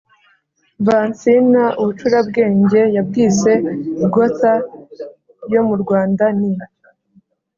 vansina ubucurabwenge yabwise "gotha" yo mu rwanda: ni